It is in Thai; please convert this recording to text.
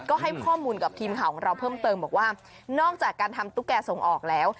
ก็ให้ข้อมูลกับทีมข่าวของเราเพิ่มเติมบอกว่านอกจากการทำตุ๊กแก่ส่งออกแล้ว